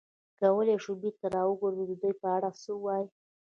کولای شو بېرته را وګرځو، د دوی په اړه څه وایې؟